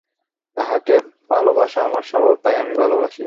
তাঁহাকে ভালবাসা আমার স্বভাব, তাই আমি ভালবাসি।